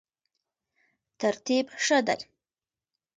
ترتیب ښه دی.